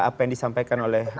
apa yang disampaikan oleh